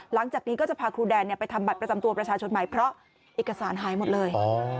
หลังจากนี้ก็จะพาครูแดนไปทำบัตรประจำตัวประชาชนใหม่เพราะเอกสารหายหมดเลย